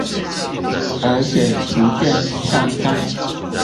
而且逐漸向上